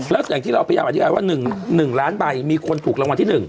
แล้วอย่างที่เราพยายามอธิบายว่าหนึ่งหนึ่งร้านใบมีคนถูกรางวัลที่หนึ่ง